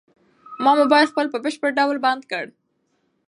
ما خپل موبايل په بشپړ ډول بند کړ.